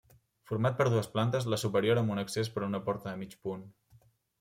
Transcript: Format per dues plantes, la superior amb un accés per una porta de mig punt.